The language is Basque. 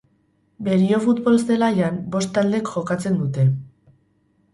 Berio Futbol zelaian bost taldek jokatzen dute.